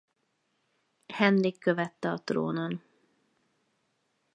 Henrik követte a trónon.